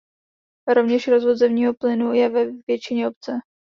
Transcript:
Rovněž rozvod zemního plynu je ve většině obce.